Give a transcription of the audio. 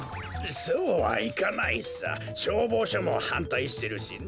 そうはいかないさしょうぼうしょもはんたいしてるしね。